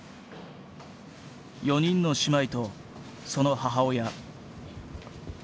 ４人の姉妹とその母親。